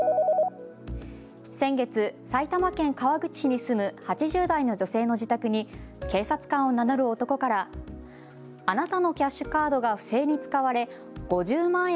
先月、埼玉県川口市に住む８０代の女性の自宅に警察官を名乗る男からあなたのキャッシュカードが不正に使われ５０万